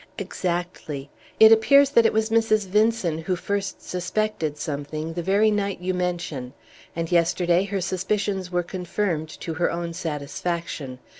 "Exactly! It appears that it was Mrs. Vinson who first suspected something, the very night you mention; and yesterday her suspicions were confirmed to her own satisfaction.